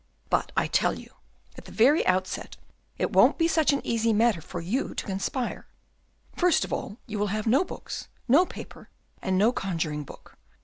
But I tell you, at the very outset, it won't be such an easy matter for you to conspire. First of all, you will have no books, no paper, and no conjuring book.